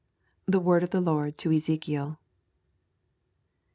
The word of the Lord to Ezekiel.